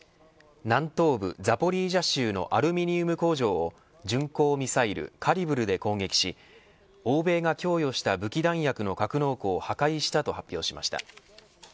南東部ザポリージャ州のアルミニウム工場を巡航ミサイル、カリブルで攻撃し欧米が供与した武器弾薬の格納庫を破壊したと発表しました。